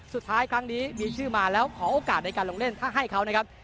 สุดท้ายครั้งนี้มีชื่อมาแล้วขอโอกาสในการลงเล่นถ้าให้เขานะครับ